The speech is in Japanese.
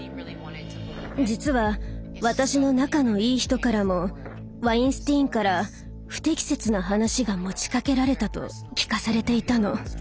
実は私の仲のいい人からもワインスティーンから不適切な話が持ちかけられたと聞かされていたの。